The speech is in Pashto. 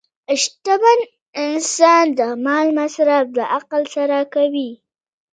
شتمن انسان د مال مصرف د عقل سره کوي.